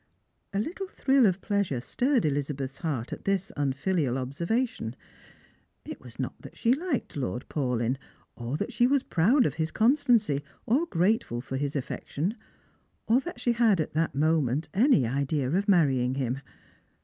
A little thrill of pleasure stirred Elizabeth's heart at this unfilial observation. It was not that she hked Lord Paulyn, or that she was proud of his constancy, or grateful for his affec tion, or that she had at that moment any idea of marrying him.